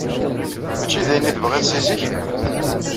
Mačči d ayen i tebɣiḍ si zik?